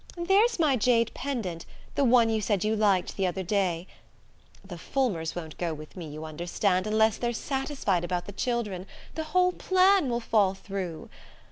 There's my jade pendant; the one you said you liked the other day.... The Fulmers won't go with me, you understand, unless they're satisfied about the children; the whole plan will fall through.